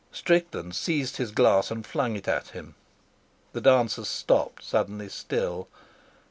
Strickland seized his glass and flung it at him. The dancers stopped suddenly still.